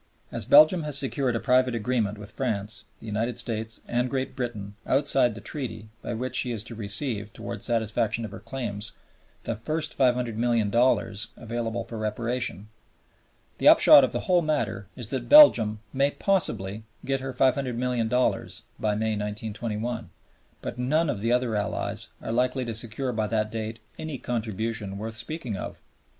As Belgium has secured a private agreement with France, the United States, and Great Britain, outside the Treaty, by which she is to receive, towards satisfaction of her claims, the first $500,000,000 available for Reparation, the upshot of the whole matter is that Belgium may possibly get her $500,000,000 by May, 1921, but none of the other Allies are likely to secure by that date any contribution worth speaking of.